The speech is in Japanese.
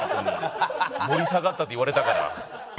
盛り下がったって言われたから。